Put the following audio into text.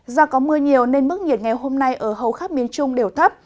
do có mưa nhiều nên mức nhiệt ngày hôm nay ở hầu khắp miền trung đều thấp